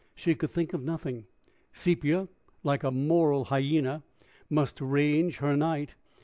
She could think of nothing. Sepia, like a moral hyena, must range her night.